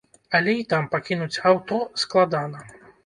Але і там пакінуць аўто складана.